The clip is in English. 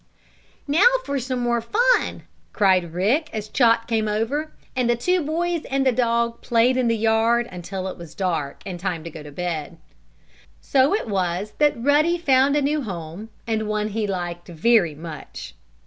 "Now for some more fun!" cried Rick, as Chot came over, and the two boys and the dog played in the yard until it was dark and time to go to bed. So it was that Ruddy found a new home, and one he liked very much.